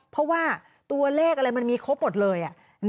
เพราะว่าตัวเลขอะไรมันมีครบหมดเลย